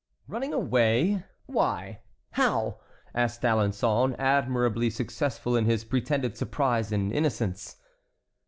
"Running away? why? how?" asked D'Alençon, admirably successful in his pretended surprise and innocence.